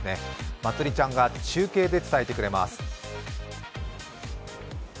まつりちゃんが中継で伝えてくれます。